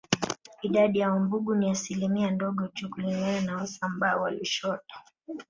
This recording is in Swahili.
Idadi ya Wambugu ni asilimia ndogo tu kulingana na Wasambaa wa Lushoto